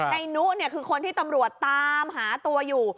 นายนุเนี่ยคือคนที่ตำรวจตามหาตัวอยู่